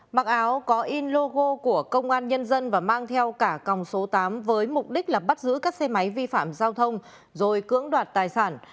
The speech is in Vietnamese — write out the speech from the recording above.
mặc áo có in logo của công an nhân dân và mang theo cả còng số tám với mục đích là bắt giữ các xe máy vi phạm giao thông rồi cưỡng đoạt tài sản